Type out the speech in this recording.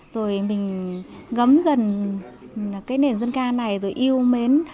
rồi mình ngấm dần cái nền dân ca này rồi yêu mến